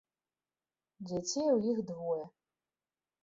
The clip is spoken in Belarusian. Дзяцей у іх двое.